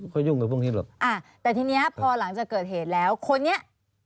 เคยทรับไทยแต่ผมไม่เอาใจใส่